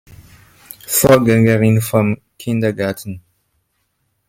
Vorgängerin vom Kindergarten.